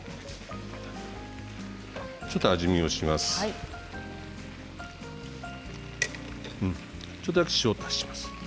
ちょっと味見をします。